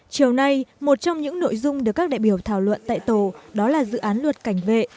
chiều nay một trong những nội dung được các đại biểu thảo luận tại tổ đó là dự án luật cảnh vệ